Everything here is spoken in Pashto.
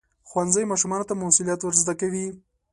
ښوونځی ماشومانو ته مسؤلیت ورزده کوي.